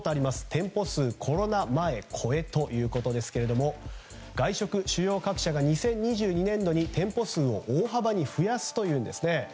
店舗数コロナ前超えということですが外食主要各社が２０２２年度に店舗数を大幅に増やすということなんですね。